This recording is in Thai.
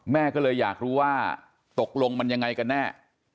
แม่ก็เลยอยากรู้ว่าตกลงมันยังไงกันแน่